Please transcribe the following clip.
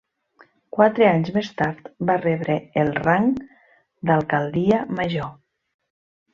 Quatre anys més tard va rebre el rang d'alcaldia major.